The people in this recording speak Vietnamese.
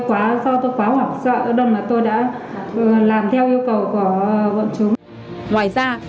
do vậy do tôi quá hoảng sợ tôi đã làm theo yêu cầu của bọn chúng